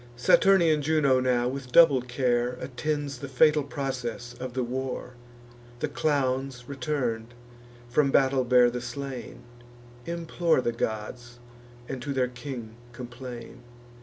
Saturnian Juno now, with double care, Attends the fatal process of the war. The clowns, return'd, from battle bear the slain, Implore the gods, and to their king complain.